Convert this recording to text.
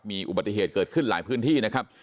มีอุบัติเหตุเกิดขึ้นหลายพื้นที่นะครับ